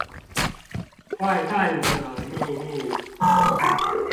壞蛋的祕密